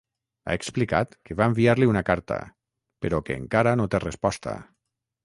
Ha explicat que va enviar-li una carta, però que encara no té resposta.